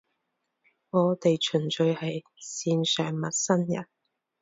我哋純粹係線上陌生人